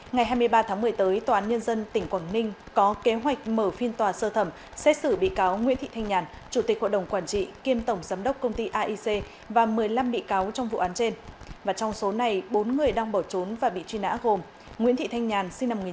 ngày hai mươi ba tháng một mươi tới toàn nhân dân tỉnh quảng ninh có kế hoạch mở phiên tòa sơ thẩm xét xử bị cáo nguyễn thị thanh nhàn